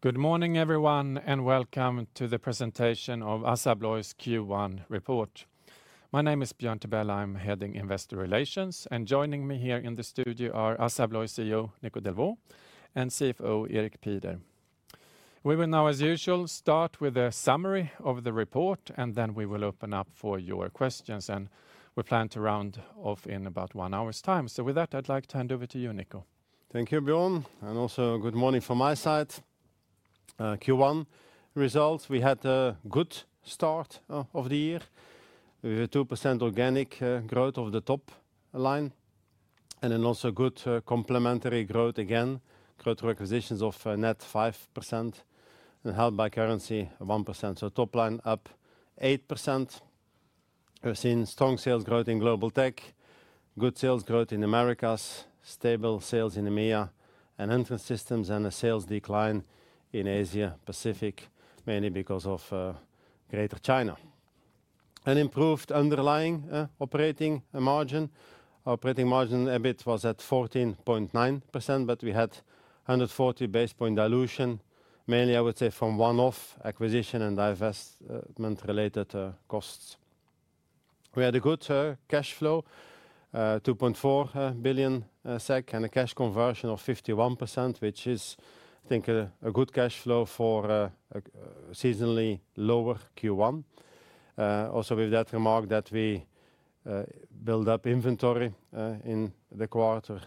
Good morning everyone and welcome to the presentation of ASSA ABLOY's Q1 report. My name is Björn Tibell, I'm heading investor relations and joining me here in the studio are ASSA ABLOY CEO Nico Delvaux and CFO Erik Pieder. We will now as usual, start with a summary of the report and then we will open up for your questions. We plan to round off in about one hour's time. With that I'd like to hand over to you, Nico. Thank you, Björn. Also, good morning from my side. Q1 results. We had a good start of the year with a 2% organic growth of the top line and then also good complementary growth again, growth requisitions of net 5% and helped by currency 1%. Top line up 8%. We've seen strong sales growth in global tech, good sales growth in Americas, stable sales in EMEA and entrance systems, and a sales decline in Asia Pacific, mainly because of Greater China, an improved underlying operating margin. Operating margin EBIT was at 14.9% but we had 140 basis point dilution mainly, I would say, from one-off acquisition and divestment related costs. We had a good cash flow, 2.4 billion SEK and a cash conversion of 51%, which is, I think, a good cash flow for seasonally lower Q1. Also with that remark that we build up inventory in the quarter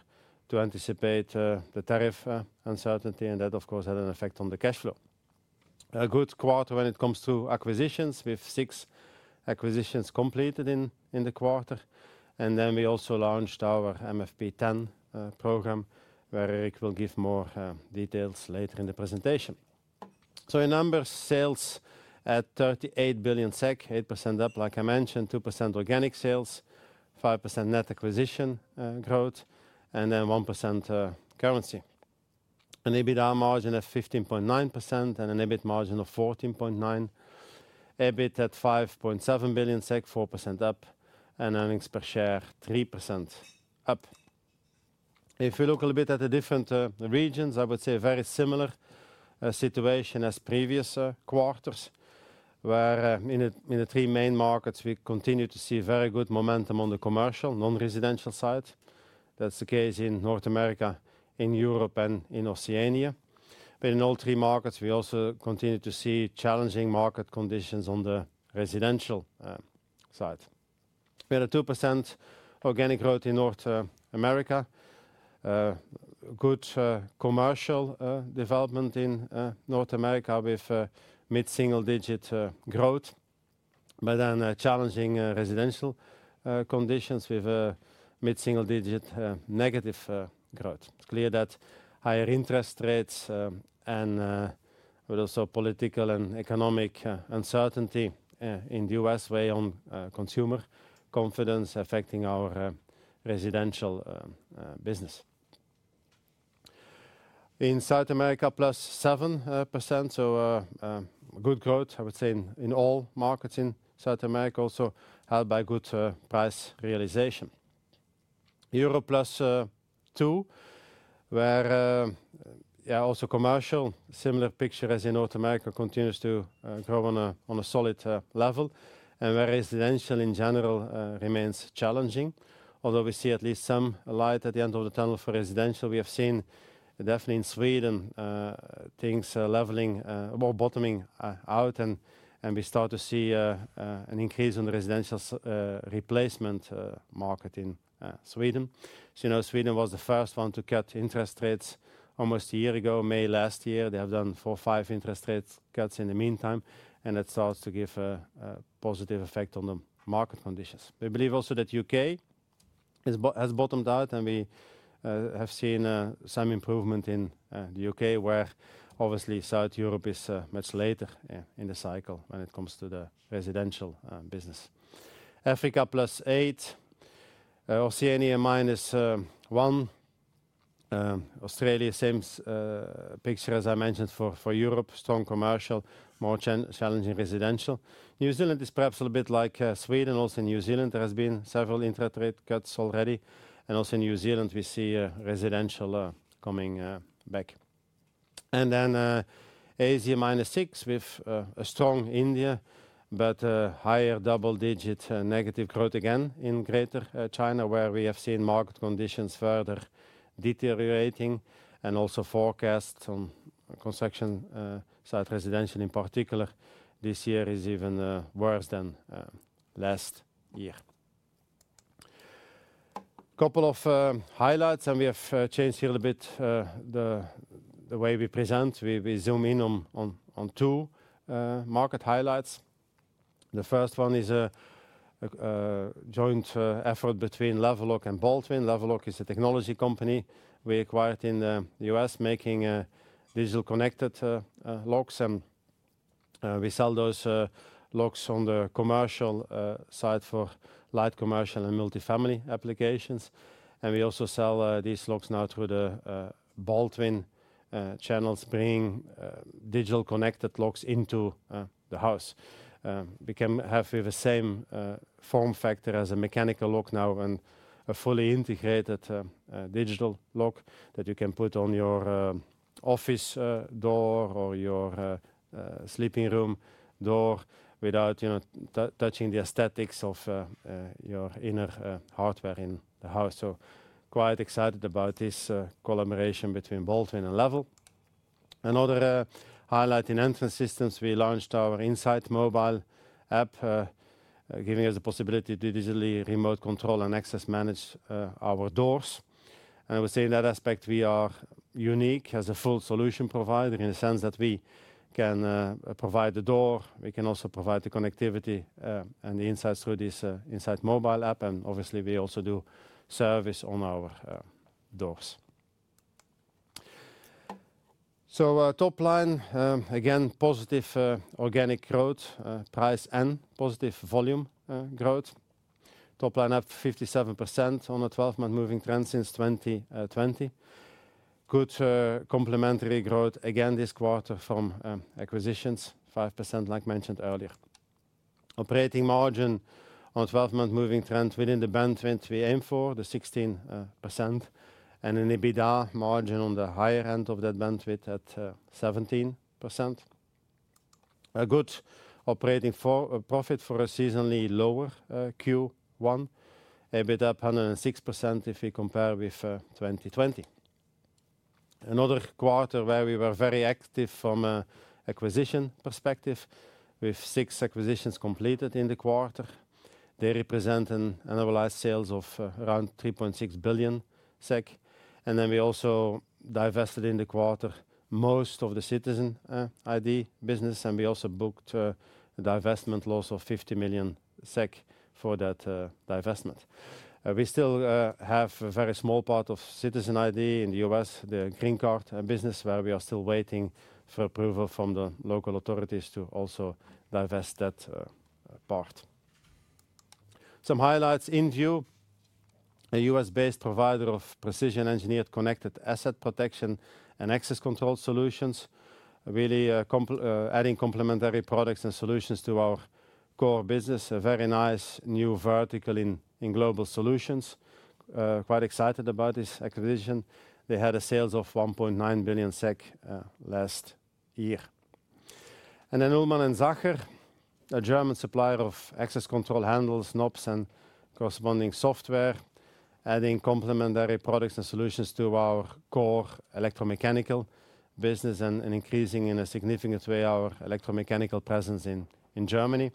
to anticipate the tariff uncertainty and that of course had an effect on the cash flow. A good quarter when it comes to acquisitions with six acquisitions completed in the quarter. We also launched our MFP10 program where Erik will give more details later in the presentation. In numbers, sales at 38 billion SEK, 8% up. Like I mentioned, 2% organic sales, 5% net acquisition growth and 1% currency, an EBITDA margin at 15.9% and an EBIT margin of 14.9%. EBIT at 5.7 billion SEK, 4% up and earnings per share 3% up. If we look a little bit at the different regions, I would say a very similar situation as previous quarters where in the three main markets we continue to see very good momentum. On the commercial non-residential side, that's the case in North America, in Europe, and in Oceania. In all three markets we also continue to see challenging market conditions. On the residential side we had a 2% organic growth in North America, good commercial development in North America with mid single-digit growth, but challenging residential conditions with mid single-digit negative growth. It's clear that higher interest rates and also political and economic uncertainty in the U.S. weigh on consumer confidence affecting our residential business. In South America, plus 7%. Good growth, I would say, in all marketing. South America also helped by good price realization. Europe plus 2%, where also commercial, similar picture as in North America, continues to grow on a solid level and where residential in general remains challenging. Although we see at least some light at the end of the tunnel for residential. We have seen definitely in Sweden things leveling, bottoming out and we start to see an increase in the residential replacement market in Sweden. Sweden was the first one to cut interest rates almost a year ago May last year they have done four, five interest rate cuts in the meantime and that starts to give a positive effect on the market conditions. We believe also that U.K. has bottomed out and we have seen some improvement in the U.K. where obviously South Europe is much later in the cycle when it comes to the residential business. Africa +8%, Oceania -1%, Australia same picture as I mentioned for Europe, strong commercial more challenging residential. New Zealand is perhaps a little bit like Sweden. Also New Zealand, there have been several interest rate cuts already. Also in New Zealand, we see residential coming back. Asia -6% with a strong India but higher double-digit negative growth again in Greater China, where we have seen market conditions further deteriorating and also forecast on construction site residential in particular. This year is even worse than last year. A couple of highlights, and we have changed here a bit the way we present. We zoom in on two market highlights. The first one is a joint effort between Level Lock and Baldwin. Level Lock is a technology company we acquired in the U.S. making digital connected locks. We sell those locks on the commercial side for light commercial and multi-family applications. We also sell these locks now through the Baldwin channels, bringing digital connected locks into the house. We can have the same form factor as a mechanical lock now and a fully integrated digital lock that you can put on your office door or your sleeping room door without touching the aesthetics of your inner hardware in the house. Quite excited about this collaboration between Baldwin and Level. Another highlight in entrance systems, we launched our Insight mobile app, giving us the possibility to digitally remote control and access manage our doors. We say in that aspect we are unique as a full solution provider in the sense that we can provide the door, we can also provide the connectivity and the insights through this Insight mobile app. Obviously, we also do service on our doors. Top line again, positive organic growth price and positive volume growth. Top line up 57% on a 12 month moving trend since 2020, good complementary growth again this quarter from acquisitions, 5% like mentioned earlier, operating margin on 12 month moving trend within the bandwidth. We aim for the 16% and an EBITDA margin on the higher end of that bandwidth at 17%. A good operating profit for a seasonally lower Q1, a bit up 106%. If we compare with 2020, another quarter where we were very active from an acquisition perspective with six acquisitions completed in the quarter, they represent an annualized sales of around 3.6 billion SEK and then we also divested in the quarter most of the Citizen ID business and we also booked divestment loss of 50 million SEK for that divestment. We still have a very small part of Citizen ID in the U.S., the Green Card business, where we are still waiting for approval from the local authorities to also divest that part. Some highlights, InVue, a U.S.-based provider of precision engineered connected asset protection and access control solutions, really adding complementary products and solutions to our core business. A very nice new vertical in global solutions. Quite excited about this acquisition. They had sales of 1.9 billion SEK last year. And then Uhlmann & Zacher, a German supplier of access control handles, knobs, and corresponding software, adding complementary products and solutions to our core electromechanical business and increasing in a significant way our electromechanical presence in Germany.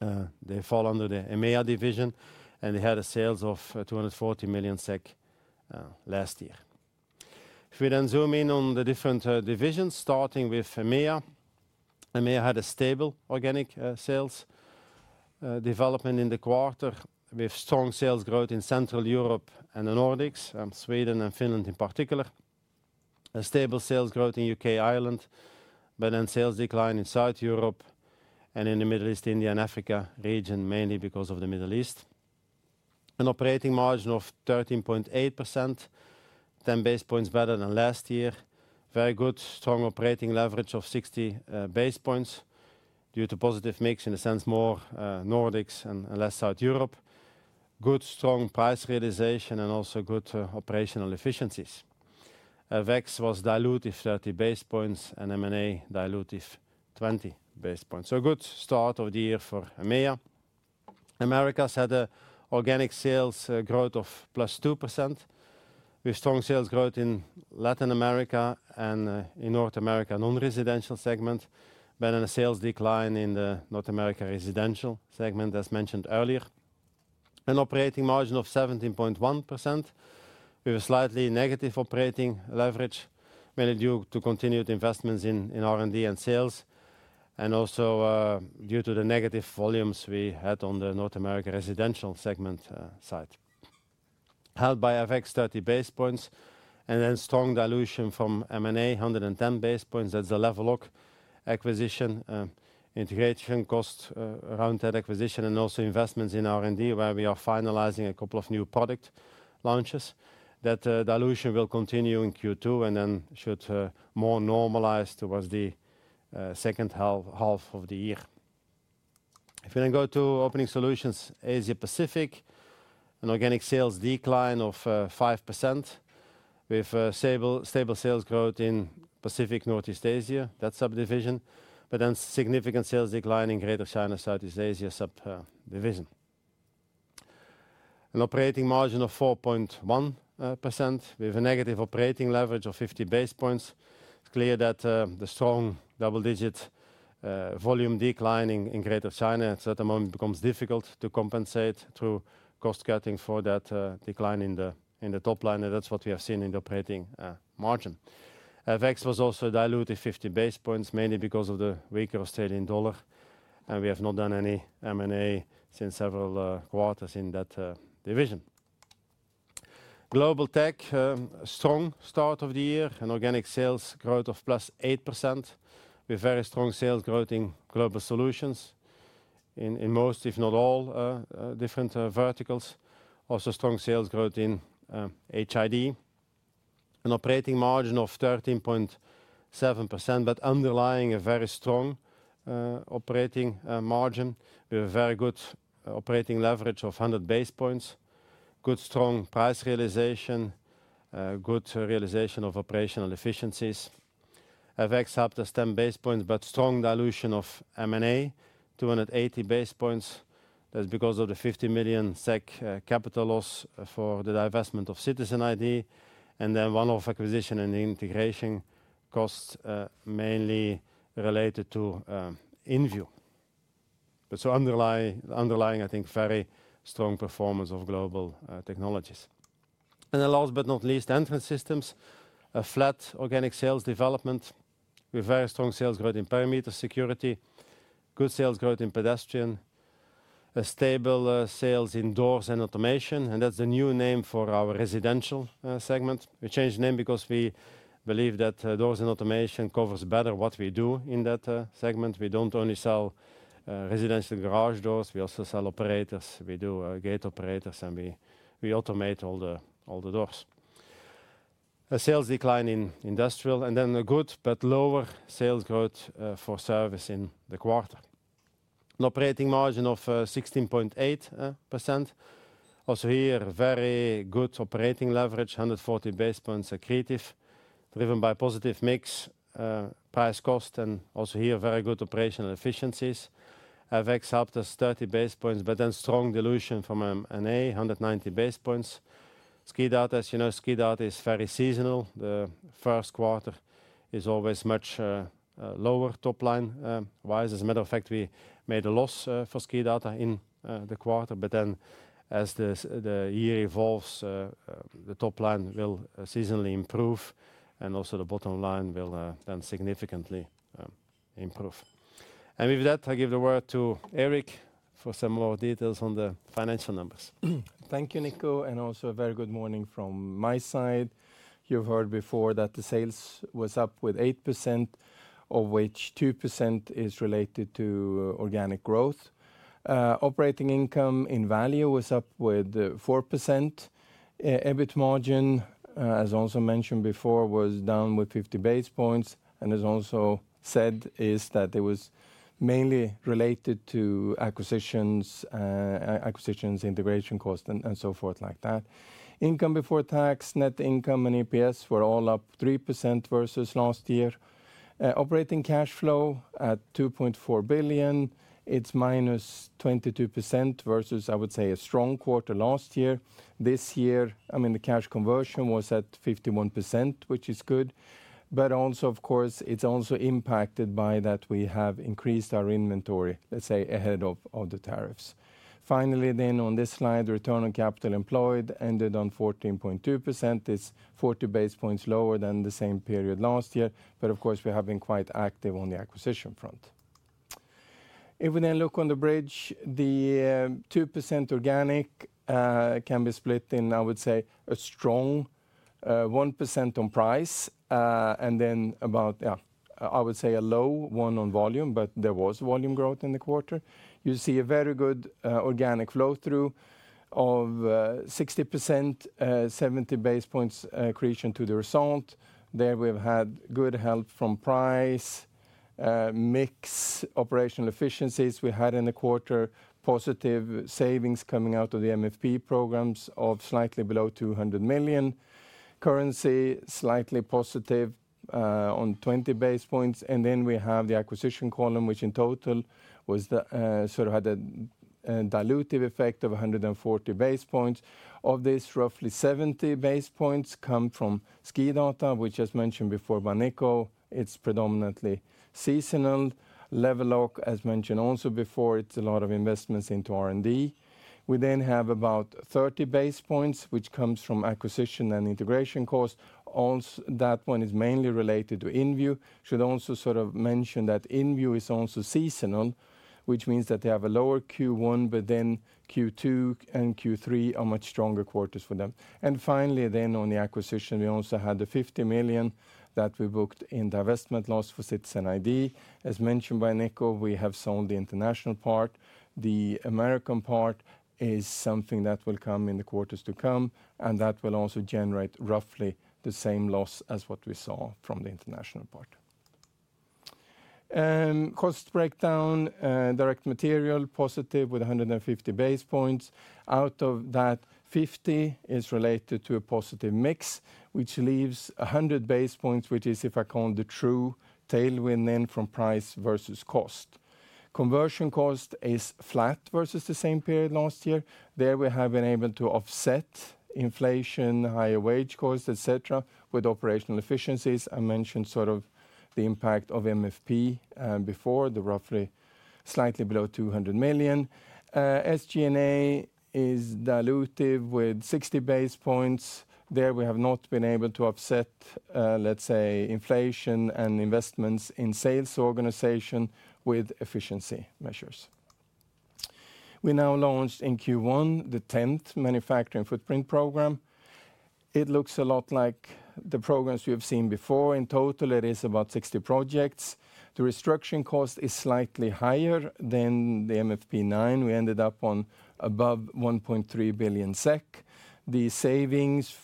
They fall under the EMEA division, and they had sales of 240 million SEK last year. If we then zoom in on the different divisions, starting with EMEA. EMEA had a stable organic sales development in the quarter with strong sales growth in Central Europe and the Nordics, Sweden and Finland in particular, a stable sales growth in the U.K. and Ireland, but then sales decline in South Europe and in the Middle East, India and Africa region mainly because of the Middle East. An operating margin of 13.8%, 10 basis points better than last year. Very good strong operating leverage of 60 basis points due to positive mix, in a sense more Nordics and less South Europe. Good strong price realization and also good operational efficiencies. FX was dilutive 30 basis points and dilutive 20 basis points. Good start of the year for EMEA. Americas had an organic sales growth of plus 2% with strong sales growth in Latin America and in North America non-residential segment, but a sales decline in the North America residential segment. As mentioned earlier, an operating margin of 17.1% with a slightly negative operating leverage mainly due to continued investments in R&D and sales and also due to the negative volumes we had on the North American residential segment side, held by FX 30 basis points, and then strong dilution from, 110 basis points. That's the Level Lock acquisition, integration cost around that acquisition, and also investments in R&D where we are finalizing a couple of new product launches. That dilution will continue in Q2 and then should more normalize towards the second half of the year. If we then go to Opening Solutions, Asia Pacific, an organic sales decline of 5% with stable sales growth in Pacific Northeast Asia, that subdivision, but then significant sales declining Greater China, Southeast Asia subdivision. An operating margin of 4.1% with a negative operating leverage of 50 basis points. It is clear that the strong double-digit volume declining in Greater China at the moment becomes difficult to compensate through cost cutting for that decline in the top line. That is what we have seen in the operating margin. FX was also diluted 50 basis points mainly because of the weaker Australian dollar and we have not done any M&A since several quarters in that division. Global Tech strong start of the year and organic sales growth of plus 8% with very strong sales growth in global solutions in most if not all different verticals. Also strong sales growth in HID, an operating margin of 13.7% but underlying a very strong operating margin with a very good operating leverage of 100 basis points. Good strong price realization. Good realization of operational efficiencies. FX up to 10 basis points but strong dilution of M&A 280 basis points. That's because of the 50 million SEK capital loss for the divestment of Citizen ID and then one-off acquisition and integration costs mainly related to InVue. Underlying, I think very strong performance of Global Technologies and last but not least Entrance Systems. A flat organic sales development with very strong sales growth in perimeter security. Good sales growth in pedestrian, stable sales in doors and automation. That's the new name for our residential segment. We changed the name because we believe that doors and automation covers better what we do in that segment. We don't only sell residential garage doors, we also sell operators. We do gate operators and we automate all the doors. A sales decline in industrial and then a good but lower sales growth for service in the quarter. An operating margin of 16.8%. Also here very good operating leverage, 140 basis points accretive driven by positive mix, price, cost, and also here very good operational efficiencies. FX helped us 30 basis points but then strong dilution from NA, 190 basis points. SKIDATA, as you know, SKIDATA is very seasonal. The first quarter is always much lower, top line wise. As a matter of fact, we made a loss for SKIDATA in the quarter. As the year evolves, the top line will seasonally improve and also the bottom line will then significantly improve. With that, I give the word to Erik for some more details on the financial numbers. Thank you Nico. Also a very good morning from my side. You've heard before that the sales was up with 8% of which 2% is related to organic growth. Operating income in value was up with 4%. EBIT margin as also mentioned before was down with 50 basis points and as also said is that it was mainly related to acquisitions, integration, cost and so forth like that. Income before tax, net income and EPS were all up 3% versus last year. Operating cash flow at 2.4 billion is minus 22% versus I would say a strong quarter last year. This year I mean the cash conversion was at 51% which is good. Also of course it is impacted by that we have increased our inventory, let's say ahead of the tariffs. Finally on this slide, return on capital employed ended on 14.2%. It's 40 basis points lower than the same period last year. Of course we have been quite active on the acquisition front. If we then look on the bridge, the 2% organic can be split in, I would say, a strong 1% on price and then about, I would say, a low one on volume. There was volume growth in the quarter. You see a very good organic flow through of 60%, 70 basis points accretion to the result there. We have had good help from price mix, operational efficiencies. We had in the quarter positive savings coming out of the MFP programs of slightly below 200 million, currency slightly positive on 20 basis points. We have the acquisition column which in total sort of had a dilutive effect of 140 basis points. Of this, roughly 70 basis points come from SKIDATA, which as mentioned before, by Nico, it's predominantly seasonal. Level Lock, as mentioned also before, it's a lot of investments into R&D. We then have about 30 basis points which comes from acquisition and integration costs. That one is mainly related to InVue. I should also sort of mention that InVue is also seasonal, which means that they have a lower Q1, but then Q2 and Q3 are much stronger quarters for them. Finally, on the acquisition, we also had the 50 million that we booked in divestment loss for Citizen ID. As mentioned by Nico, we have sold the international part. The American part is something that will come in the quarters to come, and that will also generate roughly the same loss as what we saw from the international part. Cost breakdown. Direct material positive with 150 basis points. Out of that, 50 is related to a positive mix, which leaves 100 basis points, which is, if I count, the true tailwind then from price versus cost. Conversion cost is flat versus the same period last year. There we have been able to offset inflation, higher wage cost, etc., with operational efficiencies. I mentioned sort of the impact of MFP before, the roughly slightly below 200 million. SG&A is dilutive with 60 basis points. There we have not been able to offset, let's say, inflation and investments in sales organization with efficiency measures. We now launched in Q1 the 10th Manufacturing Footprint Program. It looks a lot like the programs we have seen before. In total, it is about 60 projects. The restructuring cost is slightly higher than the MFP9. We ended up on above 1.3 billion SEK. The savings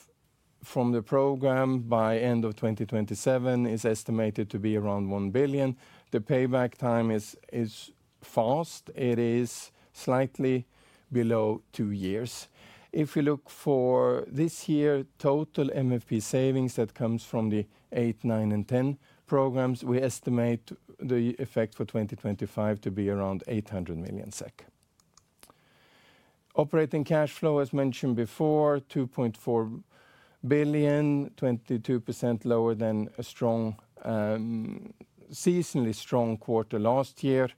from the program by end of 2027 is estimated to be around 1 billion. The payback time is fast. It is slightly below two years. If we look for this year total MFP savings that comes from the 8, 9 and 10 programs, we estimate the effect for 2025 to be around 800 million SEK. Operating cash flow as mentioned before 2.4 billion, 22% lower than a seasonally strong quarter last year.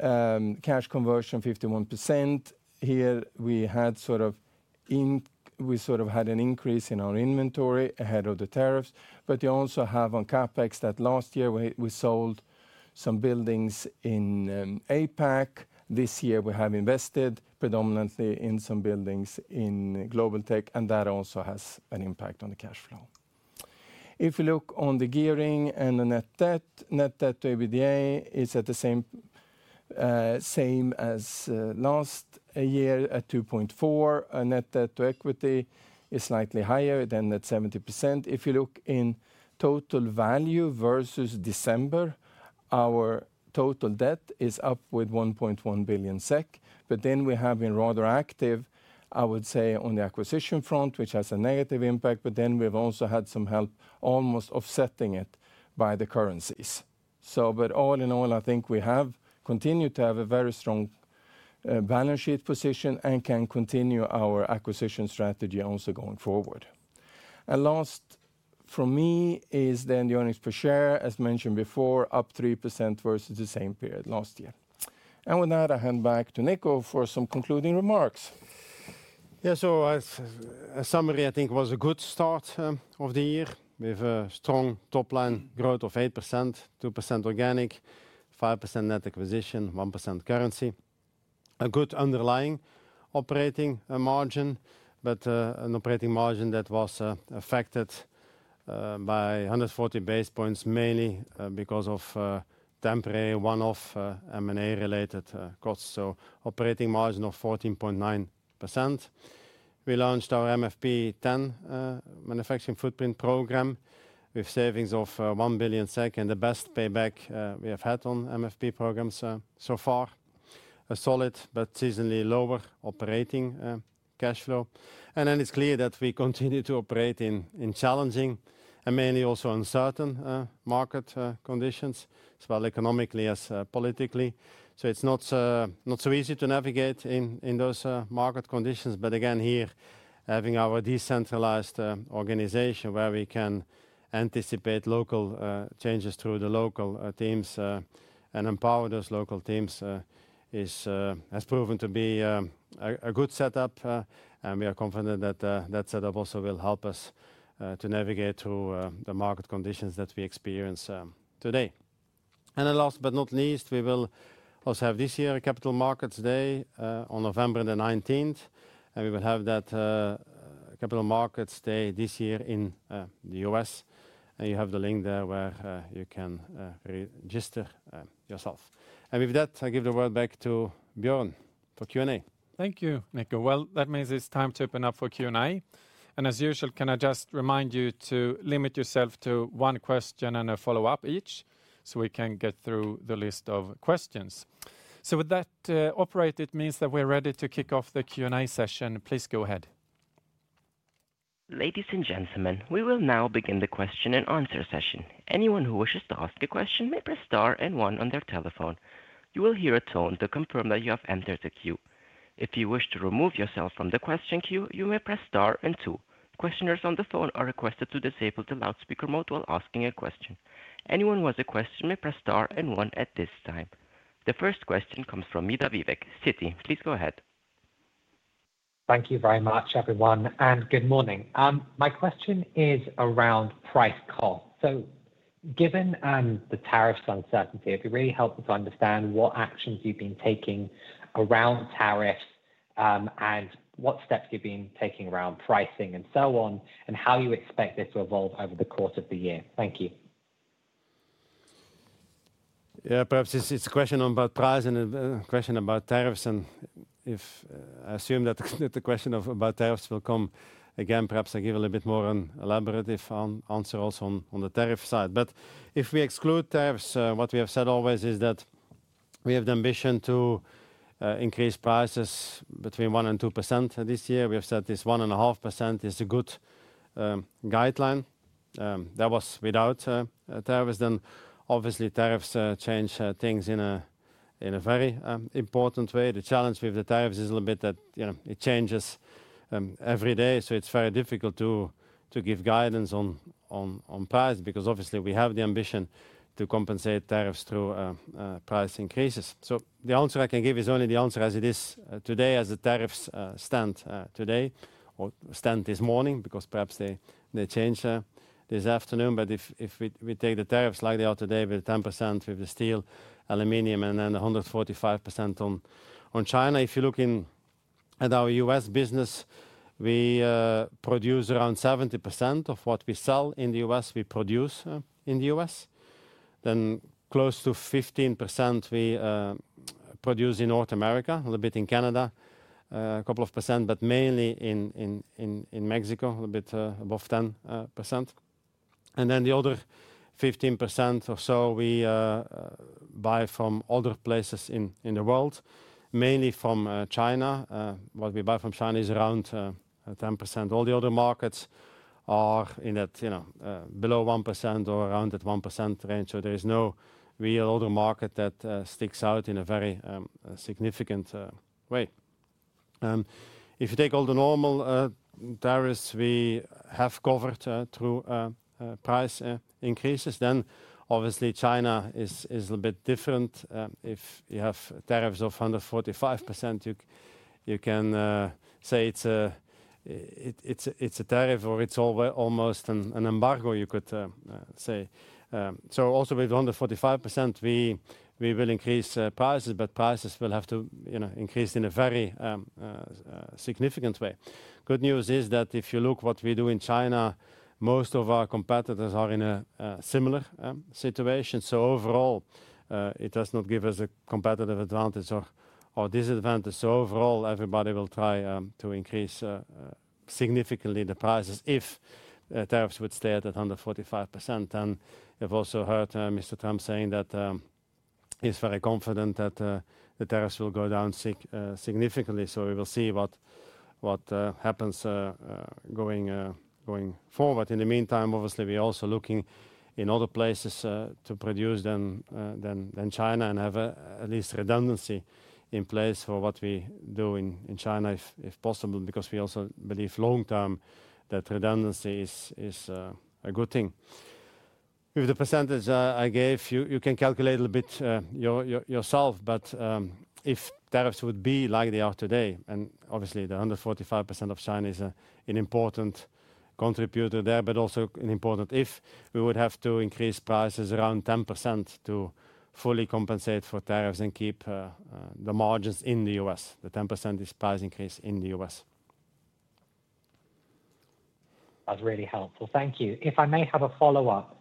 Cash conversion 51%. Here we had sort of. We sort of had an increase in our inventory ahead of the tariffs. You also have on CapEx that last year we sold some buildings in APAC. This year we have invested predominantly in some buildings in global tech and that also has an impact on the cash flow. If you look on the gearing and the net debt, net debt to EBITDA is at the same as last year at 2.4. Net debt to equity is slightly higher than that, 70%. If you look in total value versus December, our total debt is up with 1.1 billion SEK. We have been rather active I would say on the acquisition front, which has a negative impact. We have also had some help almost offsetting it by the currencies. All in all I think we have continued to have a very strong balance sheet position and can continue our acquisition strategy also going forward. Last from me is then the earnings per share as mentioned before, up 3% versus the same period last year. With that I hand back to Nico for some concluding remarks. A summary I think was a good start of the year with a strong top line growth of 8%, 2% organic, 5% net acquisition, 1% currency, a good underlying operating margin, but an operating margin that was affected by 140 basis points mainly because of temporary one off M&A related costs. Operating margin of 14.9%. We launched our MFP10 Manufacturing Footprint Program with savings of 1 billion SEK. The best payback we have had on MFP programs so far, a solid but seasonally lower operating cash flow. It is clear that we continue to operate in challenging and mainly also uncertain market conditions as well economically as politically. It is not so easy to navigate in those market conditions. Again, here having our decentralized organization where we can anticipate local changes through the local teams and empower those local teams has proven to be a good setup and we are confident that that setup also will help us to navigate through the market conditions that we experience today. Last but not least, we will also have this year Capital Markets Day on November 19th and we will have that Capital Markets Day this year in the U.S. and you have the link there where you can register yourself. With that I give the word back to Björn for Q and A. Thank you, Nico. That means it's time to open up for Q and A. As usual, can I just remind you to limit yourself to one question and a follow up each so we can get through the list of questions. With that, it means that we're ready to kick off the Q and A session. Please go ahead. Ladies and gentlemen, we will now begin the question and answer session. Anyone who wishes to ask a question may press star and one on their telephone. You will hear a tone to confirm that you have entered the queue. If you wish to remove yourself from the question queue, you may press Star and two. Questioners on the phone are requested to disable the loudspeaker mode while asking a question. Anyone who has a question may press star and one at this time. The first question comes from Midha Vivek, Citi. Please go ahead. Thank you very much everyone and good morning. My question is around price costs. Given the tariffs uncertainty, if you really help us understand what actions you've been taking around tariffs and what steps you've been taking around pricing and so on and how you expect this to evolve over the course of the year. Thank you. Yeah, perhaps it's a question about price and question about tariffs and I assume that the question about tariffs will come again. Perhaps I give a little bit more elaborate answer. Also on the tariff side. If we exclude tariffs, what we have said always is that we have the ambition to increase prices between 1% and 2% this year. We have said this 1.5% is a good guideline. That was without tariffs. Then obviously tariffs change things in a very important way. The challenge with the tariffs is a little bit that, you know, it changes every day. It is very difficult to give guidance on price because obviously we have the ambition to compensate tariffs through price increases. The answer I can give is only the answer as it is today, as the tariffs stand today, or stand this morning, because perhaps they change this afternoon. If we take the tariffs like they are today, with 10% with the steel, aluminum and then 145% on China, if you look at our U.S. business, we produce around 70% of what we sell in the U.S. we produce in the U.S., then close to 15%. We produce in North America, a little bit in Canada, a couple of percent, but mainly in Mexico, a bit above 10%, and then the other 15% or so we buy from other places in the world, mainly from China. What we buy from China is around 10%. All the other markets are in that below 1% or around that 1% range. There is no real older market that sticks out in a very significant way. If you take all the normal tariffs, we have covered through price increases, then obviously China is a little bit different. If you have tariffs of 145%, you can say it's a tariff or it's almost an embargo. You could say so also with 145%, we will increase prices, but prices will have to increase in a very significant way. Good news is that if you look what we do in China, most of our competitors are in a similar situation. Overall, it does not give us a competitive advantage or disadvantage. Overall, everybody will try to increase significantly the prices. If tariffs would stay at 145%. You have also heard Mr. Trump saying that he is very confident that the tariffs will go down significantly. We will see what happens going forward. In the meantime, obviously we are also looking in other places to produce than China and have at least redundancy in place for what we do in China if possible, because we also believe long term that redundancy is a good thing. With the percentage I gave, you can calculate a little bit yourself. If tariffs would be like they are today, and obviously the 145% of China is an important contributor there, but also an important if we would have to increase prices around 10% to fully compensate for tariffs and keep the margins in the U.S., the 10% price increase in the U.S. That's really helpful, thank you. If I may have a follow-up,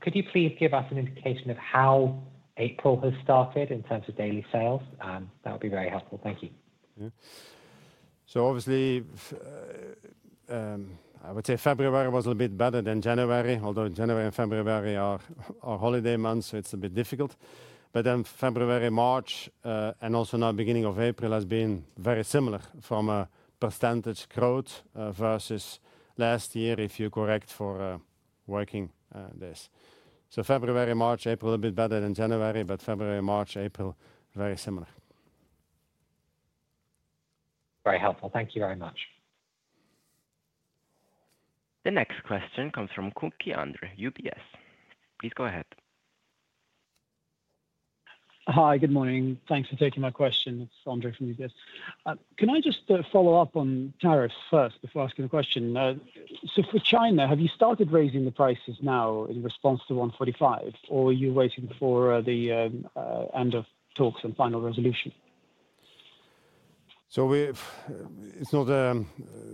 could you please give us an indication of how April has started in terms of daily sales? That would be very helpful, thank you. I would say February was a little bit better than January, although January and February are holiday months so it's a bit difficult. February, March, and also now beginning of April have been very, very similar from a percentage growth versus last year if you correct for working days. February, March, April are a bit better than January, but February, March, April are very similar. Very helpful, thank you very much. The next question comes from Andre Kukhnin. Please go ahead. Hi, good morning. Thanks for taking my question. It's Andre from UBS. Can I just follow up on tariffs first before asking the question? For China, have you started raising the prices now in response to 145% or are you waiting for the end of talks and final resolution? It is not the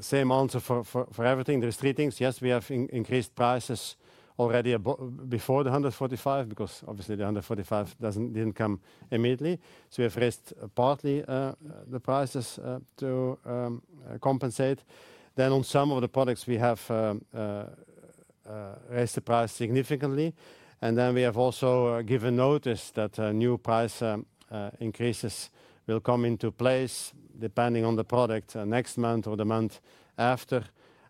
same answer for everything. There are three things. Yes, we have increased prices already before the 145% because obviously the 145% did not come immediately. We have raised partly the prices to compensate. Then on some of the products we have raised the price significantly, and we have also given notice that new price increases will come into place depending on the product next month or the month after,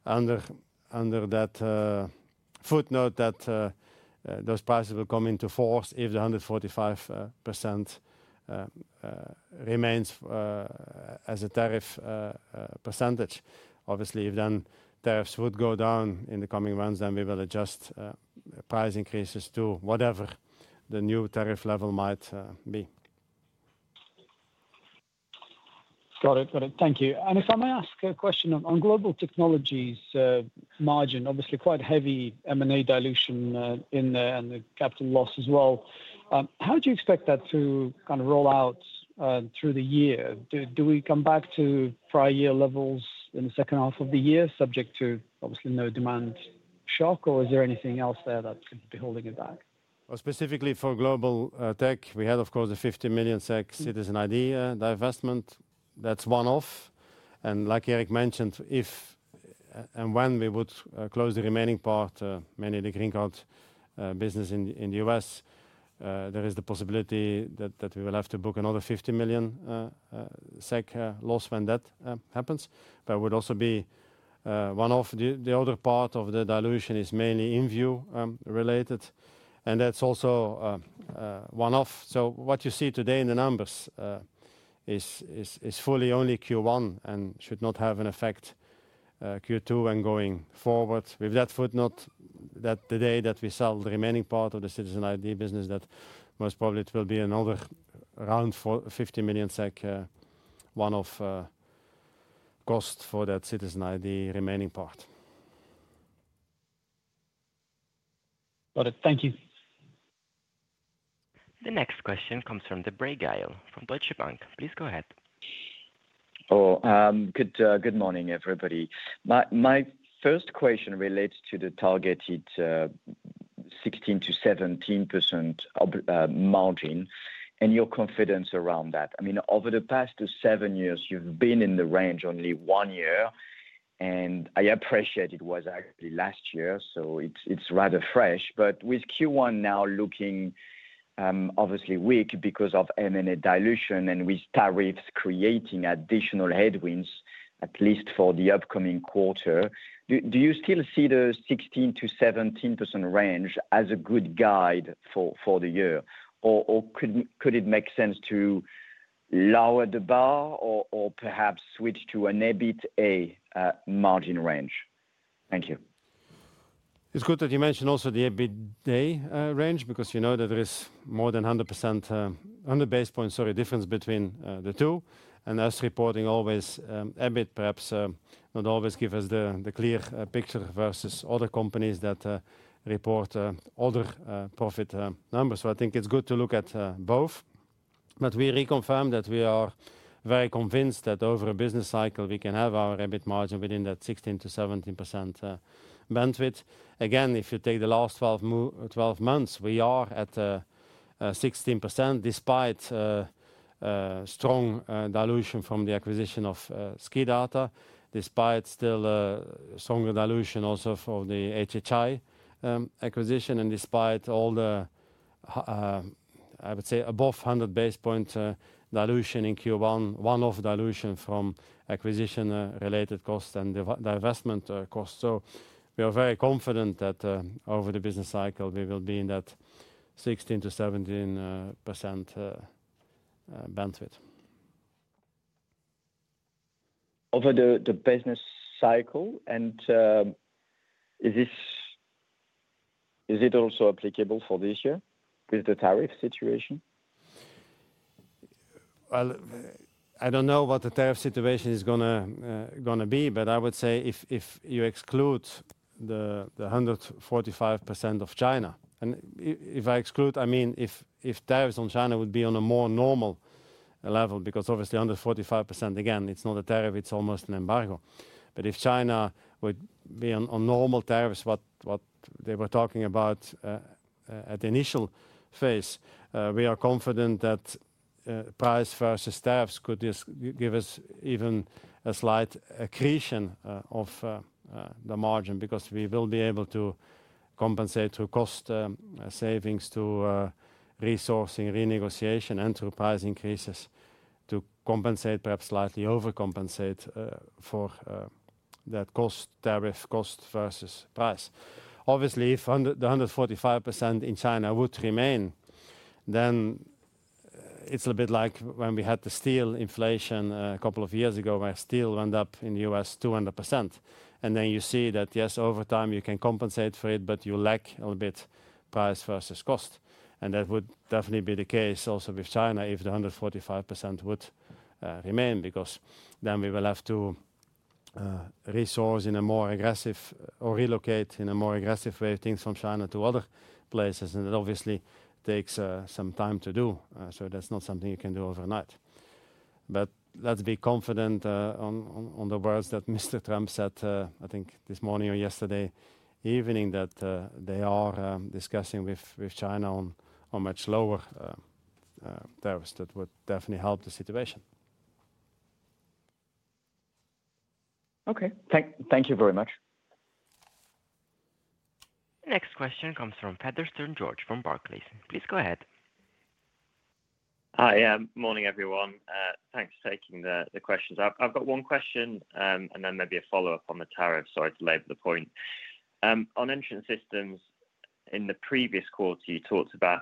under that footnote that those prices will come into force. If the 145% remains as a tariff percentage, obviously, then tariffs would go down in the coming months, and we will adjust price increases to whatever the new tariff level might be. Got it, got it. Thank you. If I may ask a question on global technologies margin, obviously quite heavy M&A dilution in there and the capital loss as well, how do you expect that to kind of roll out through the year? Do we come back to prior year levels in the second half of the year, subject to obviously no demand shock, or is there anything else there that could be holding it back? Specifically for global tech we had of course a 50 million SEK Citizen ID divestment. That's one off. Like Erik mentioned, if and when we would close the remaining part, meaning the Green Card business in the U.S., there is the possibility that we will have to book another 50 million SEK loss when that happens, but it would also be one off. The other part of the dilution is mainly InVue related, and that's also one off. What you see today in the numbers is fully only Q1 and should not have an effect in Q2 and going forward, with that footnote that the day that we sell the remaining part of the Citizen ID business, most probably it will be another around 50 million SEK one off cost for that Citizen ID remaining part. Got it. Thank you. The next question comes from Gael de-Bray from Deutsche Bank. Please go ahead. Oh, good morning everybody. My first question relates to the targeted 16-17% margin and your confidence around that. I mean, over the past seven years you've been in the range only one year and I appreciate it was last year, so it's rather fresh. With Q1 now looking obviously weak because of M&A dilution and with tariffs creating additional headwinds, at least for the upcoming quarter, do you still see the 16-17% range as a good guide for the year or could it make sense to lower the bar or perhaps switch to an EBITDA margin range? Thank you. It's good that you mentioned also the EBITDA range because you know that there is more than 100%, 100 basis points, sorry, difference between the two and us reporting always EBIT perhaps not always give us the clear picture versus other companies that report other profit numbers. I think it's good to look at both. We reconfirmed that we are very convinced that over a business cycle we can have our EBIT margin within that 16-17% bandwidth. Again, if you take the last 12 months, we are at 16% despite strong dilution from the acquisition of SKIDATA, despite still stronger dilution also from the HHI acquisition and despite all the, I would say above 100 basis point dilution in Q1 one off dilution from acquisition related costs and divestment costs. We are very confident that over the business cycle we will be in that 16%-17% bandwidth. Over the business cycle. Is this also applicable for this year with the tariff situation? I don't know what the tariff situation is going to be, but I would say if you exclude the 145% of China and if I exclude, I mean if tariffs on China would be on a more normal level because obviously under 45%, again it's not a tariff, it's almost an embargo. If China would be on normal tariffs, what they were talking about at the initial phase, we are confident that price versus tariffs could give us even a slight accretion of the margin because we will be able to compensate through cost savings to resourcing, renegotiation, and price increases to compensate, perhaps slightly overcompensate, for that cost. Tariff cost versus price obviously if the 145% in China would remain then it's a bit like when we had the steel inflation a couple of years ago where steel went up in the U.S. 200% and then you see that yes over time you can compensate for it but you lack a bit price versus cost. That would definitely be the case also with China if the 145% would remain because then we will have to resource in a more aggressive or relocate in a more aggressive way things from China to other places and it obviously takes some time to do so. That's not something you can do overnight. Let's be confident on the words that Mr. Trump said I think this morning or yesterday evening that they are discussing with China on much lower tariffs that would definitely help the situation. Okay, thank you very much. Next question comes from Featherstone George from Barclays, please go ahead. Hi, morning everyone. Thanks for taking the questions. I've got one question and then maybe a follow up on the tariff. Sorry to labor the point on entrance systems. In the previous quarter you talked about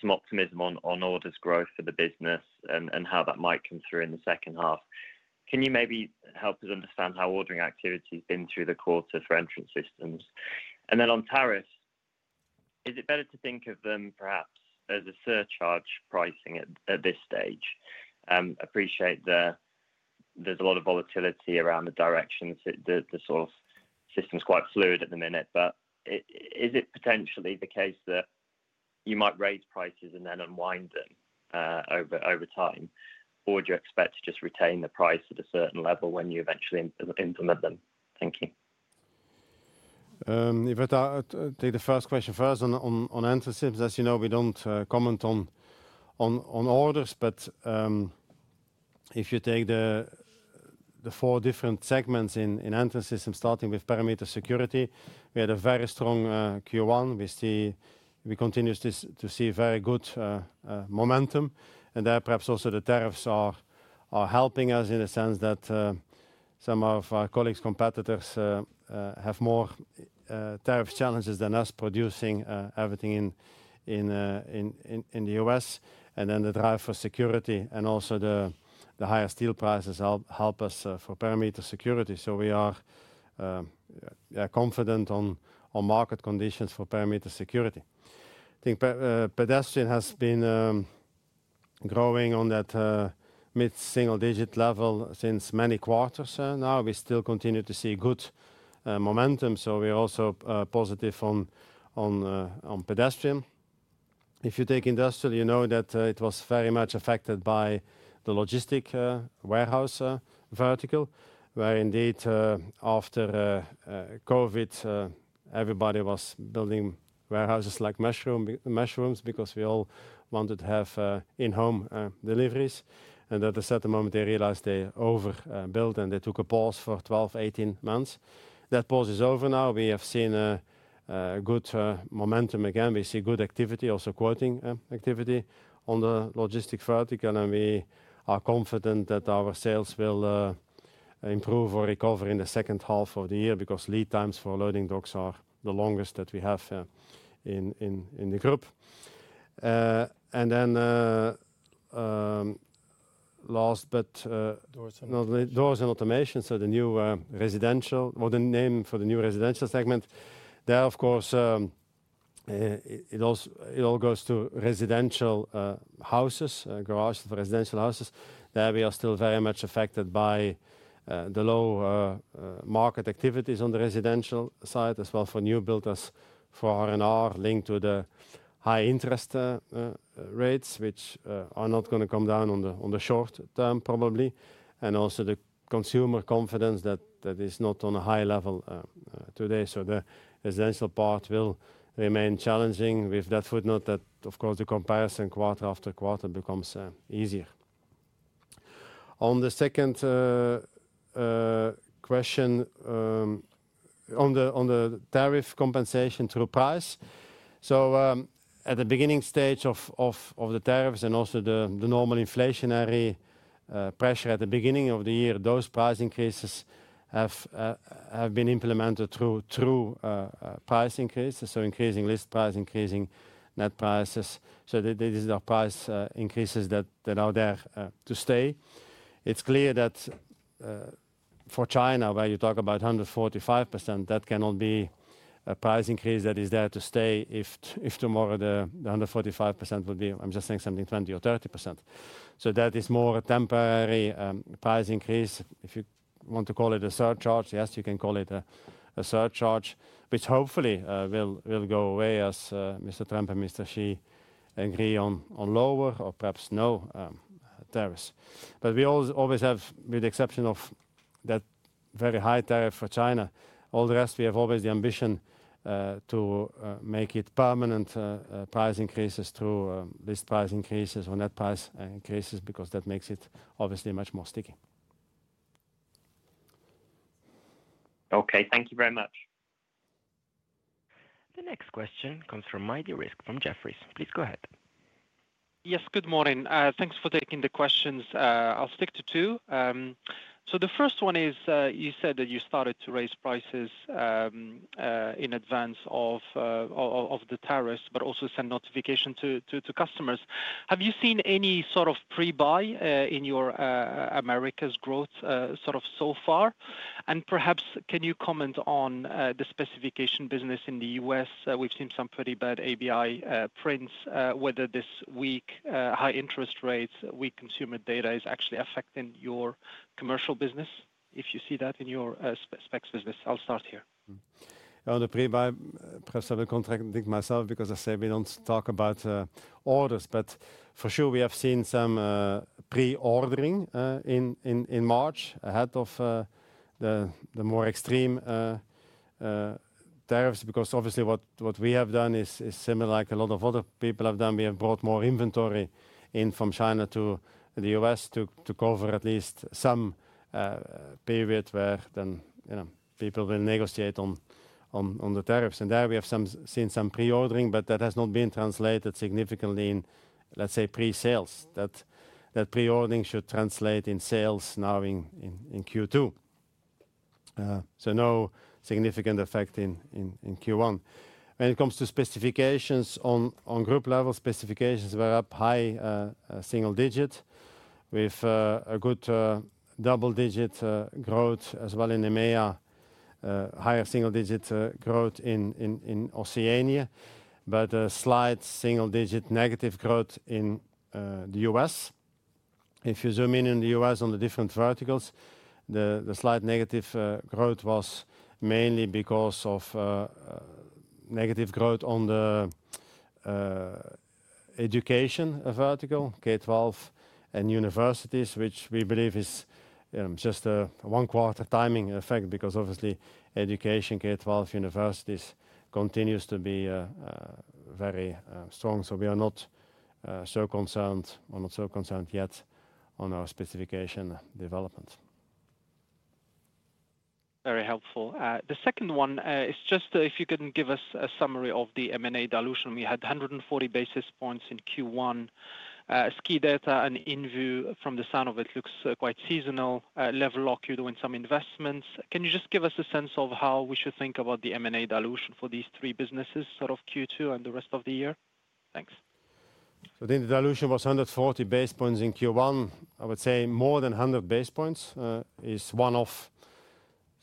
some optimism on orders growth for the business and how that might come through in the second half. Can you maybe help us understand how ordering activity has been through the quarter for entrance systems? And then on tariffs, is it better to think of them perhaps as a surcharge pricing at this stage? Appreciate there's a lot of volatility around the directions. The sort of system is quite fluid at the minute. Is it potentially the case that you might raise prices and then unwind them over time, or do you expect to just retain the price at a certain level when you eventually implement them? Thank you. Take the first question first on entrance systems. As you know, we don't comment on orders, but if you take the four different segments in entrance systems, starting with perimeter security, we had a very strong Q1. We continue to see very good momentum, and there perhaps also the tariffs are helping us in a sense that some of our competitors have more tariff challenges than us, producing everything in the U.S.. The drive for security and also the higher steel prices help us for perimeter security. We are confident on market conditions for perimeter security. I think pedestrian has been growing on that mid single digit level since many quarters now. We still continue to see good momentum, so we are also positive on pedestrian. If you take industrial, you know that it was very much affected by the logistic warehouse vertical where indeed after COVID everybody was building warehouses like mushrooms because we all wanted to have in home deliveries. At a certain moment they realized they overbuilt and they took a pause for 12-18 months. That pause is over. Now we have seen good momentum again, we see good activity. Also quoting activity on the logistic vertical and we are confident that our sales will improve or recover in the second half of the year because lead times for loading docks are the longest that we have in the group and then last but doors and automation. The new residential or the name for the new residential segment there of course it all goes to residential houses, garage residential houses. There we are still very much affected by the low market activities on the residential side as well for new builders, for R and R linked to the high interest rates which are not going to come down in the short term probably and also the consumer confidence that is not on a high level today. The residential part will remain challenging, with that footnote that of course the comparison quarter after quarter becomes easier. On the second question on the tariff compensation through price, at the beginning stage of the tariffs and also the normal inflationary pressure at the beginning of the year, those price increases have been implemented through price increases, so increasing list price, increasing net prices. These are price increases that are there to stay. It's clear that for China where you talk about 145% that cannot be a price increase that is there to stay. If tomorrow the 145% will be, I'm just saying something, 20% or 30%. That is more a temporary price increase. If you want to call it a surcharge, yes, you can call it a surcharge which hopefully will go away as Mr. Trump and Mr. Xi agree on lower or perhaps no tariffs. We always have, with the exception of that very high tariff for China, all the rest we have always the ambition to make it permanent price increases through the list price increases or net price increases because that makes it obviously much more sticky. Okay, thank you very much. The next question comes from Maidi Rizk from Jefferies. Please go ahead. Yes, good morning. Thanks for taking the questions. I'll stick to two. The first one is you said that you started to raise prices in advance of the tariffs but also sent notification to customers. Have you seen any sort of pre-buy in your Americas growth so far and perhaps can you comment on the specification business in the U.S.? We've seen some pretty bad ABI prints. Whether this weak high interest rates, weak consumer data is actually affecting your commercial business. If you see that in your specs. Business, I'll start here. Contradict myself because I say we don't talk about orders, but for sure we have seen some pre-ordering in March ahead of the more extreme tariffs because obviously what we have done is similar like a lot of other people have done. We have brought more inventory in from China to the U.S. to cover at least some period where then people will negotiate on the tariffs. There we have seen some pre-ordering but that has not been translated significantly in, say, pre-sales. That pre-ordering should translate in sales now in Q2. No significant effect in Q1 when it comes to specifications. On Group level, specifications were up high single digit with a good double digit growth as well in EMEA, higher single digit growth in Oceania, but a slight single digit negative growth in the U.S. If you zoom in in the U.S. on the different verticals, the slight negative growth was mainly because of negative growth on the education vertical K-12 and universities, which we believe is just a one quarter timing effect because obviously education K12 universities continues to be very strong. We are not so concerned or not so concerned yet on our specification development. Very helpful. The second one is just if you could give us a summary of the M&A dilution. We had 140 basis points in Q1. SKIDATA and InVue from the sound of it looks quite seasonal. Level Lock, you're doing some investments. Can you just give us a sense of how we should think about the M&A dilution for these three businesses sort of Q2 and the rest of the year? Thanks. I think the dilution was 140 basis points in Q1. I would say more than 100 basis points is one off.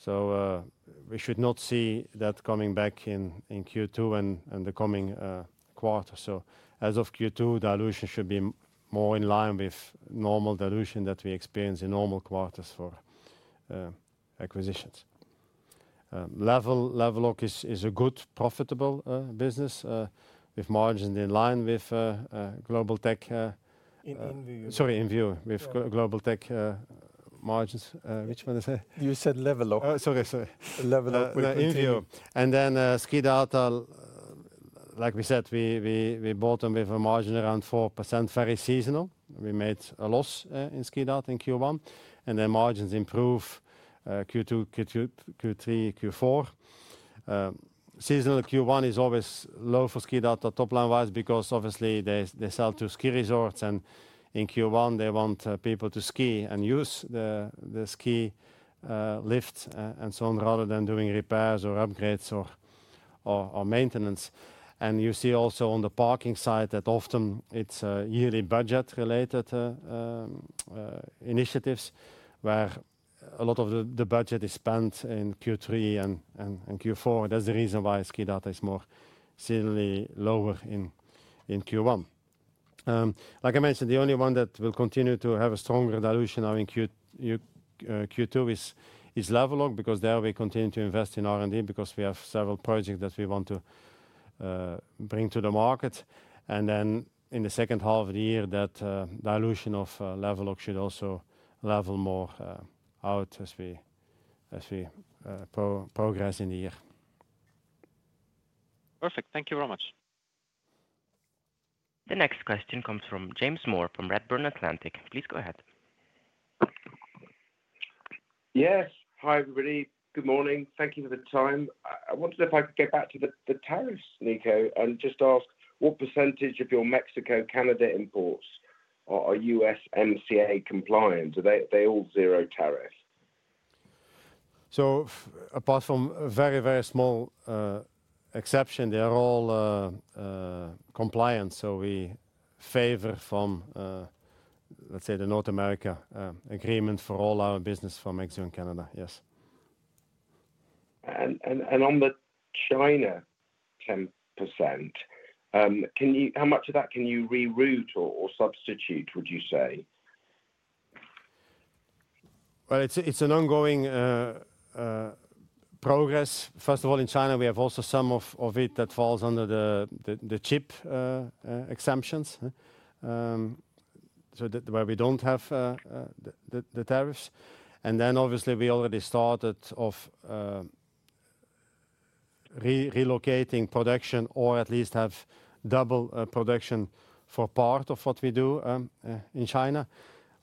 We should not see that coming back in Q2 and the coming quarter. As of Q2, dilution should be more in line with normal dilution that we experience in normal quarters for acquisitions. Level Lock is a good profitable business with margins in line with global tech. Sorry, InVue with global tech margins. Which one is that? You said Level Lock. And then SKIDATA. Like we said, we bought them with a margin around 4%. Very seasonal. We made a loss in SKIDATA in Q1 and then margins improve. Q2, Q3, Q4. Seasonal Q1 is always low for SKIDATA, top line wise because obviously they sell to ski resorts and in Q1 they want people to ski and use the ski lift and so on rather than doing repairs or upgrades or maintenance. You see also on the parking side that often it is yearly budget related initiatives where a lot of the budget is spent in Q3 and Q4. That is the reason why SKIDATA is more seasonally lower in Q1. Like I mentioned, the only one that will continue to have a strong dilution in Q2 is Level Lock because there we continue to invest in R&D because we have several projects that we want to bring to the market. In the second half of the year that dilution of Level Lock should also level more out as we progress in the year. Perfect. Thank you very much. The next question comes from James Moore from Redburn Atlantic. Please go ahead. Yes. Hi everybody. Good morning. Thank you for the time. I wondered if I could get back to the tariffs Nico, and just ask what percentage of your Mexico Canada imports are USMCA compliant? Are they all zero tariff? Apart from a very, very small exception, they are all compliant. We favor from, let's say, the North America agreement for all our business for Mexico and Canada. Yes. On the China 10%, how much of that can you reroute or substitute would you say? It's an ongoing progress. First of all, in China we have also some of it that falls under the chip exemptions, so where we don't have the tariffs, and then obviously we already started relocating production or at least have double production for part of what we do in China.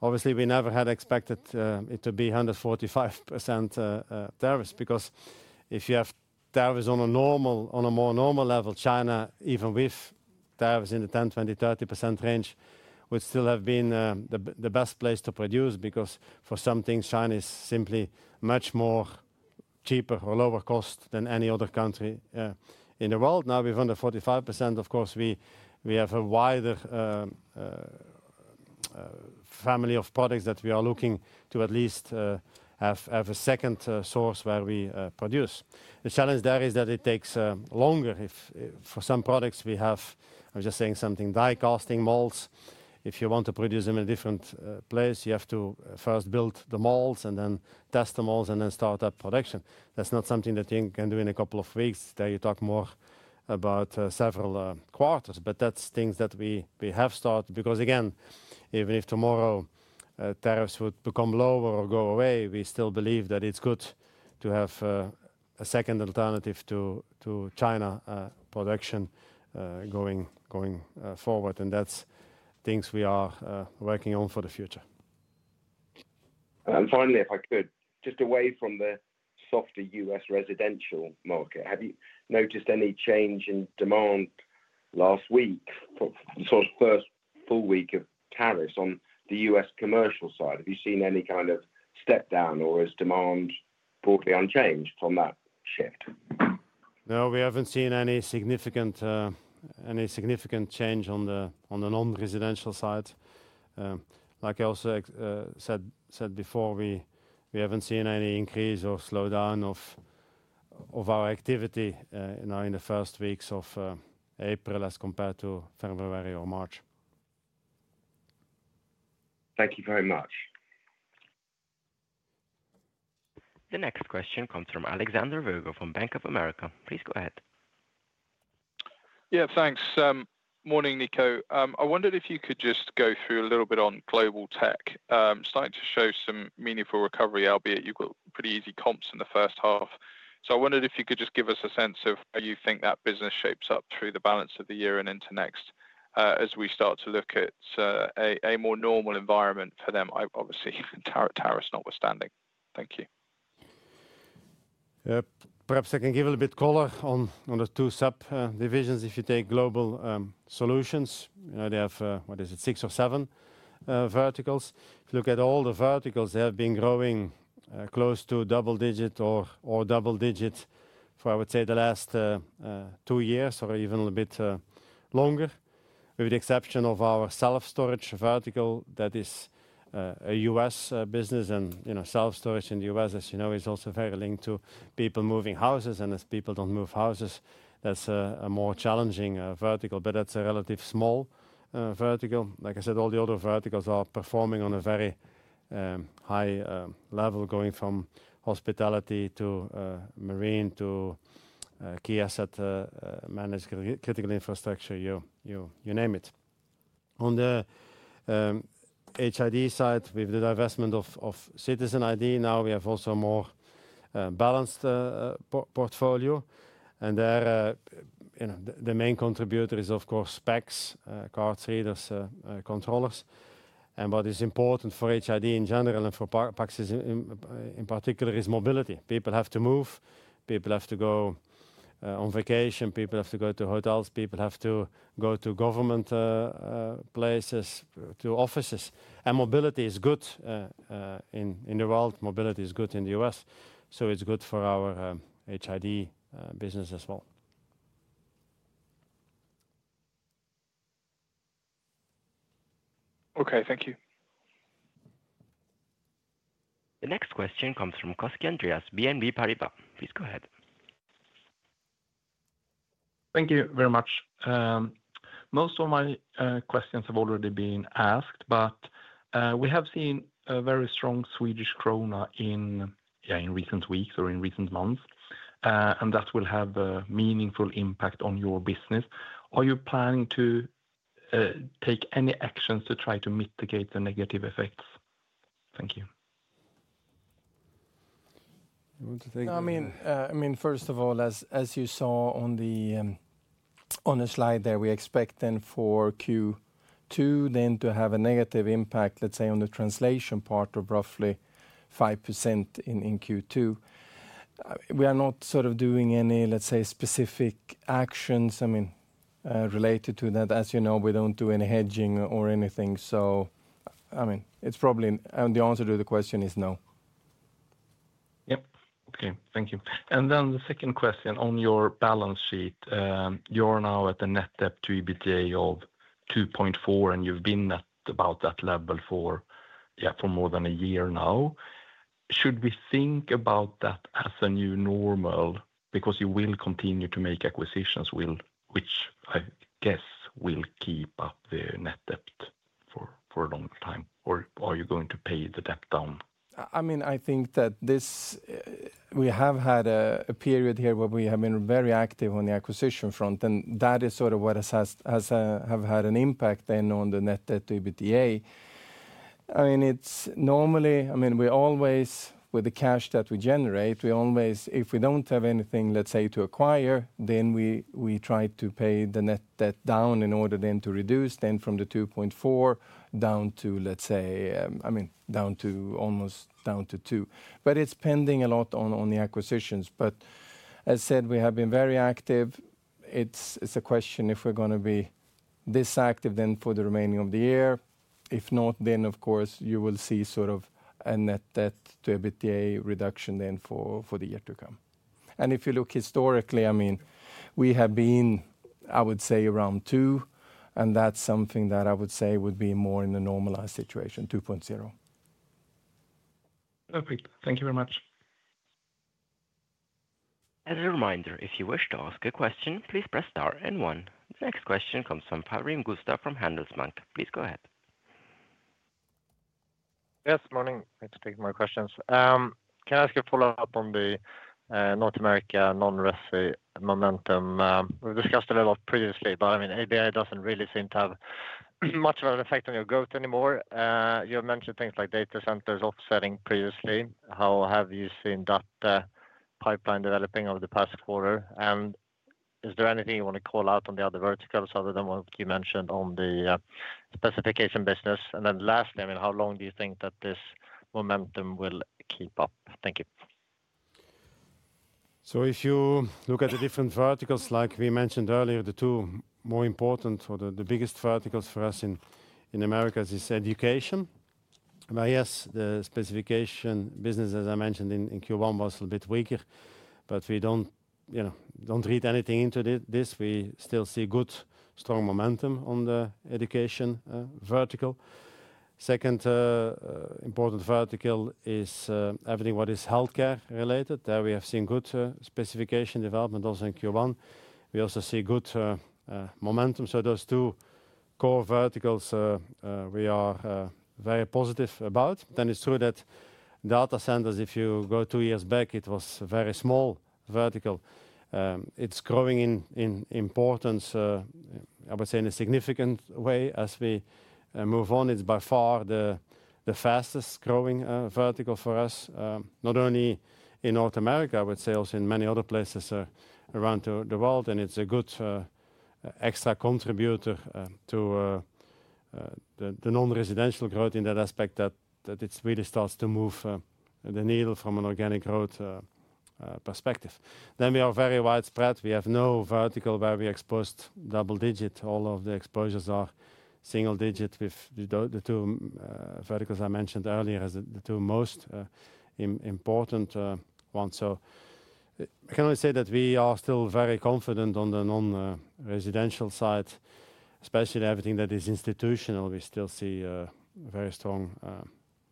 Obviously, we never had expected it to be 145% tariffs because if you have tariffs on a more normal level, China, even with tariffs in the 10%-20%-30% range, would still have been the best place to produce because for some things China is simply much more cheaper or lower cost than any other country in the world. Now with 145%, of course we have a wider family of products that we are looking to at least have a second source where we produce. The challenge there is that it takes longer for some products we have. I was just saying something, die casting molds. If you want to produce them in a different place, you have to first build the molds and then test the molds and then start up production. That's not something that you can do in a couple of weeks. There you talk more about several quarters. That's things that we have started because again even if tomorrow tariffs would become lower or go away, we still believe that it's good to have a second alternative to China production going forward. That's things we are working on for the future. Finally, if I could just, away from the softer U.S. residential market, have you noticed any change in demand last week, first full week of tariffs on the U.S. commercial side? Have you seen any kind of step down or is demand broadly unchanged on that shift? No, we haven't seen any significant, any significant change on the non-residential side. Like I also said before, we haven't seen any increase or slowdown of our activity in the first weeks of April as compared to February or March. Thank you very much. The next question comes from Alexander Virgo from Bank of America. Please go ahead. Yeah, thanks. Morning Nico. I wondered if you could just go through a little bit on global tech. Starting to show some meaningful recovery, albeit you've got pretty easy comps in the first half. I wondered if you could just give us a sense of how you think that business shapes up through the balance of the year and into next and as we start to look at a more normal environment for them, obviously tariffs notwithstanding. Thank you. Perhaps I can give a little bit color on the two sub divisions. If you take global solutions, they have, what is it, six or seven verticals. Look at all the verticals. They have been growing close to double digit or double digit for I would say the last two years or even a bit longer with the exception of our self storage vertical. That is a U.S. business. And you know, self storage in the U.S. as you know is also very linked to people moving houses and as people don't move houses, that's a more challenging vertical. But that's a relative small vertical. Like I said, all the other verticals are performing on a very high level, going from hospitality to marine to key asset managed, critical infrastructure, you name it. On the HID side with the divestment of Citizen ID, now we have also more balanced portfolio and the main contributor is of course specs, card readers, controllers, and what is important for HID in general and for, in particular is mobility. People have to move, people have to go on vacation, people have to go to hotels, people have to go to government places, to offices. Mobility is good in the world, mobility is good in the U.S., so it's good for our HID business as well. Okay, thank you. The next question comes from Andreas Koski, BNP Paribas. Please go ahead. Thank you very much. Most of my questions have already been asked but we have seen a very strong Swedish krona in recent weeks or in recent months and that will have a meaningful impact on your business. Are you planning to take any actions to try to mitigate the negative effects? Thank you. I mean first of all, as you saw on the slide there. We expect then for Q2 then to have a negative impact, let's say on the translation part of roughly 5% in Q2. We are not sort of doing any, let's say specific actions, I mean related to that. As you know, we don't do any hedging or anything. I mean it's probably the answer to the question is no. Yep. Okay, thank you. The second question on your balance sheet, you're now at the net debt to EBITDA of 2.4% and you've been at about that level for, yeah, for more than a year now. Should we think about that as a new normal because you will continue to make acquisitions which I guess will keep up the net debt for a long time or are you going to pay the debt down? I mean I think that this, we have had a period here where we have been very active on the acquisition front and that is sort of what has had an impact then on the net debt to EBITDA. I mean it's normally, I mean we always, with the cash that we generate, we always, if we don't have anything, let's say to acquire, then we try to pay the net debt down in order then to reduce then from the 2.4% down to let's say, I mean down to almost down to 2%. It is pending a lot on the acquisitions. As said, we have been very active. It is a question if we're going to be this active then for the remaining of the year. If not, of course you will see sort of a net debt to EBITDA reduction then for the year to come. If you look historically, I mean we have been, I would say around two and that's something that I would say would be more in the normalized situation 2.0. Perfect. Thank you very much. As a reminder, if you wish to ask a question, please press star. One next question comes from Gustaf Schwerin from Handelsbanken. Please go ahead. Yes, morning questions. Can I ask a follow up on the North America non-resi momentum? We've discussed a little previously but I mean ABI doesn't really seem to have much of an effect on your growth anymore. You mentioned things like data centers offsetting previously. How have you seen that pipeline developing over the past quarter? Is there anything you want to call out on the other verticals other than what you mentioned on the specification business? Lastly, how long do you think that this momentum will keep up? Thank you. If you look at the different verticals, like we mentioned earlier, the two more important or the biggest verticals for us in America is education. Yes, the specification business as I mentioned in Q1 was a bit weaker, but we do not read anything into this. We still see good strong momentum on the education vertical. Second important vertical is everything what is healthcare related there. We have seen good specification development also in Q1, we also see good momentum. So those two core verticals we are very positive about. It is true that data centers, if you go two years back, it was a very small vertical. It is growing in importance, I would say, in a significant way as we move on. It is by far the fastest growing vertical for us not only in North America, but also in many other places around the world. It is a good extra contributor to the non-residential growth in that aspect that it really starts to move the needle. From an organic growth perspective, we are very widespread. We have no vertical where we are exposed double digit. All of the exposures are single digit, with the two verticals I mentioned earlier as the two most important ones. I can only say that we are still very confident on the non-residential side, especially everything that is institutional. We still see very strong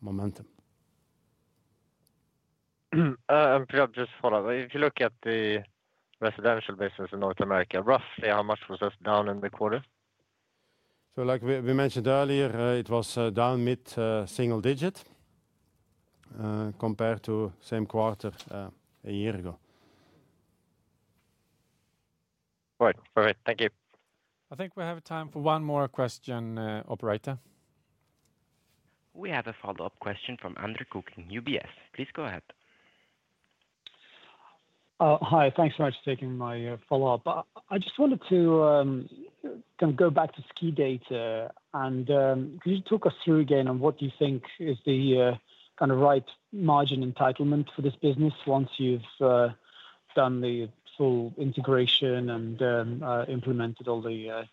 momentum. Just follow up. If you look at the residential business in North America, roughly how much was down in the quarter? Like we mentioned earlier, it was down mid single digit compared to same quarter a year ago. Perfect. Thank you. I think we have time for one more question. Operator. We have a follow up question from Andre Kukhnin, UBS. Please go ahead. Hi, thanks so much for taking my follow up. I just wanted to go back to SKIDATA and could you talk us through again and what you think is the kind of right margin entitlement for this business? Once you've done the full integration and implemented all the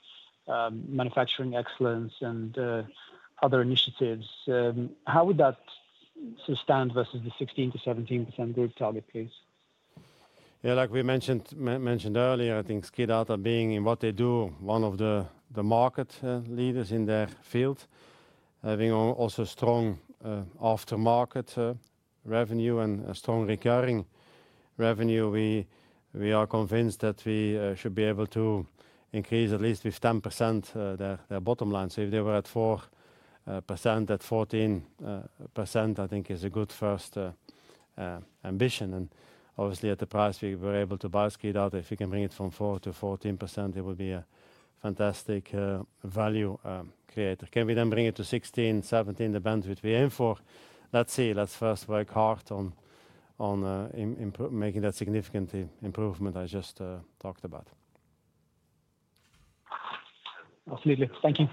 manufacturing excellence and other initiatives, how would that stand versus the 16-17% group target please? Yeah, like we mentioned earlier, I think SKIDATA being in what they do, one of the market leaders in their field having also strong aftermarket revenue and strong recurring revenue, we are convinced that we should be able to increase at least with 10% their bottom line. If they were at 4%, at 14% I think is a good first ambition and obviously at the price we were able to buy SKIDATA, if you can bring it from 4% to 14% it would be fantastic value creator. Can we then bring it to 16-17%, the bandwidth we aim for? Let's see. Let's first work hard on making that significant improvement I just talked about. Absolutely. Thank you.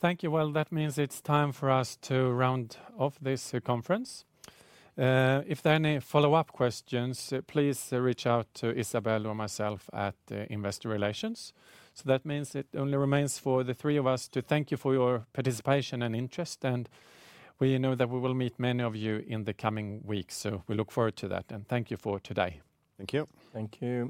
Thank you. That means it's time for us to round off this conference. If there are any follow up questions, please reach out to Isabelle or myself at investor relations. That means it only remains for the three of us to thank you for your participation and interest. We know that we will meet many of you in the coming weeks. We look forward to that and thank you for today. Thank you. Thank you.